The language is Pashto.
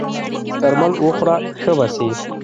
درمل وخوره ښه به سې!